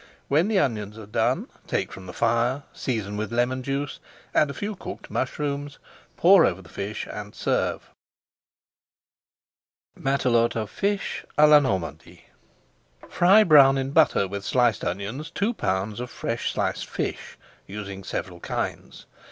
When the onions are done, take from the fire, season with lemon juice, add a few cooked mushrooms, pour over the fish, and serve. MATELOTE OF FISH À LA NORMANDY Fry brown in butter with sliced onions two pounds of fresh sliced fish, using several kinds.